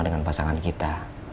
dengan pasangan kita